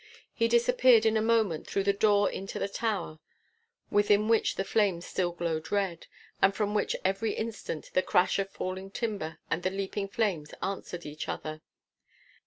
He disappeared in a moment through the door into the tower, within which the flames still glowed red, and from which every instant the crash of falling timber and the leaping flames answered each other.